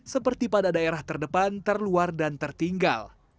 seperti pada daerah terdepan terluar dan tertinggal